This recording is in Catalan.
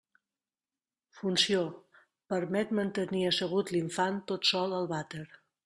Funció: permet mantenir assegut l'infant tot sol al vàter.